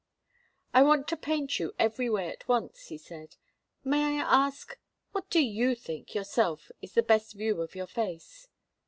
"I want to paint you every way at once," he said. "May I ask what do you think, yourself, is the best view of your face?"